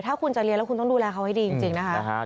ถ้าคุณจะเรียนแล้วคุณต้องดูแลเขาให้ดีจริงนะคะ